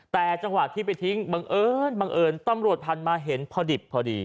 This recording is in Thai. แต่จังหวะที่ไปทิ้งบังเอิญบังเอิญตำรวจผ่านมาเห็นพอดิบพอดี